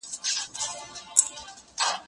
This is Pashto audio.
زه اجازه لرم چي کتابونه وړم